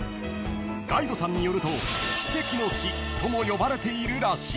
［ガイドさんによると奇跡の地とも呼ばれているらしい］